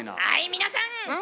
はい皆さん！